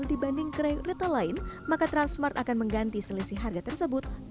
dibanding gerai retail lain maka transmart akan mengganti selisih harga tersebut dua kali lipat